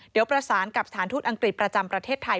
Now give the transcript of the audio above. เดี๋ยวประสานกับสถานทูตอังกฤษประจำประเทศไทย